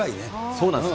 そうなんです。